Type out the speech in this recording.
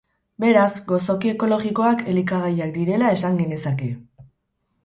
Beraz, gozoki ekologikoak, elikagaiak direla esan genezake.